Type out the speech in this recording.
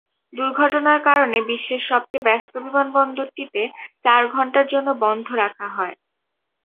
দুর্ঘটনার কারণে বিশ্বের সবচেয়ে ব্যস্ত বিমানবন্দরটিতে চার ঘণ্টার জন্য বন্ধ রাখা হয়।